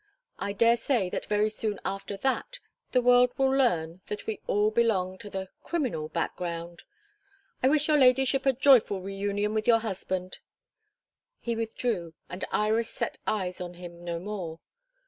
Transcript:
I daresay that very soon after that the world will learn that we all belong to the criminal background. I wish your ladyship a joyful reunion with your husband!" He withdrew, and Iris set eyes on him no more.